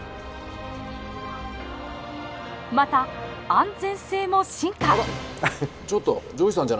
また安全性も進化。